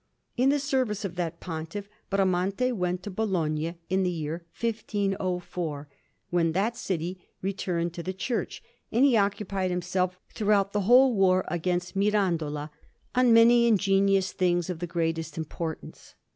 In the service of that Pontiff Bramante went to Bologna, in the year 1504, when that city returned to the Church; and he occupied himself, throughout the whole war against Mirandola, on many ingenious things of the greatest importance.